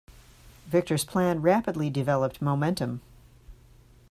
Victor's plan rapidly developed momentum.